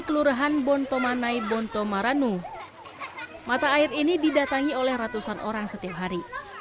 kelurahan bontomanai bontomaranu mata air ini didatangi oleh ratusan orang setiap hari